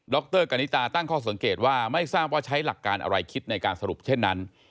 รกานิตาตั้งข้อสังเกตว่าไม่ทราบว่าใช้หลักการอะไรคิดในการสรุปเช่นนั้น